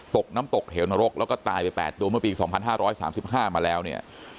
ตกน้ำตกเหวนรกแล้วก็ตายไป๘ตัวเมื่อปี๒๕๓๕มาแล้วเนี่ย